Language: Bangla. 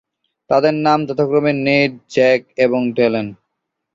তাদের নাম যথাক্রমে নেড, জ্যাক এবং ড্যালান।